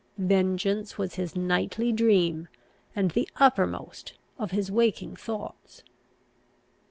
Vengeance was his nightly dream, and the uppermost of his waking thoughts.